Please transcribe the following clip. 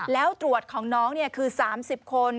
แล้วตรวจของน้องคือ๓๐คน